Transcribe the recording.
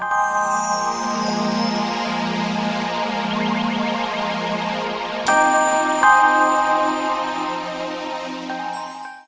pengalaman yang terjadi